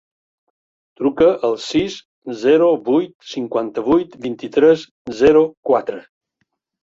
Truca al sis, zero, vuit, cinquanta-vuit, vint-i-tres, zero, quatre.